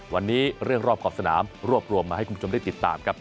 วันนี้เรื่องรอบขอบสนามรวบรวมมาให้คุณผู้ชมได้ติดตามครับ